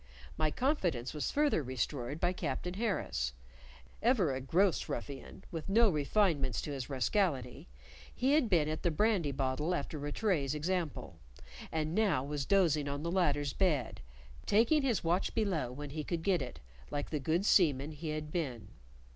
My confidence was further restored by Captain Harris; ever a gross ruffian, with no refinements to his rascality, he had been at the brandy bottle after Rattray's example; and now was dozing on the latter's bed, taking his watch below when he could get it, like the good seaman he had been.